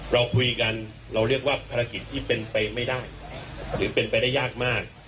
เราคุยกันเราเรียกว่าภารกิจที่เป็นไปไม่ได้หรือเป็นไปได้ยากมาก